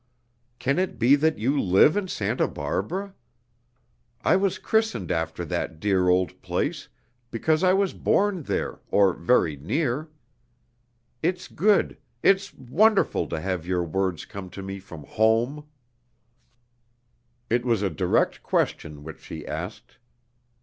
Can it be that you live at Santa Barbara? I was christened after that dear old place, because I was born there, or very near. It's good it's wonderful to have your words come to me from home." It was a direct question which she asked.